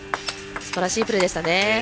すばらしいプレーでしたね。